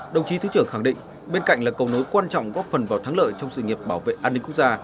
đồng chí thứ trưởng khẳng định bên cạnh là cầu nối quan trọng góp phần vào thắng lợi trong sự nghiệp bảo vệ an ninh quốc gia